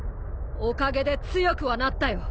おかげで強くはなったよ。